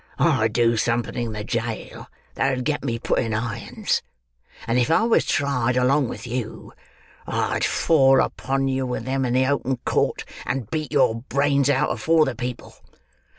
"I'd do something in the jail that 'ud get me put in irons; and if I was tried along with you, I'd fall upon you with them in the open court, and beat your brains out afore the people.